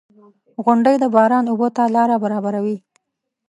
• غونډۍ د باران اوبو ته لاره برابروي.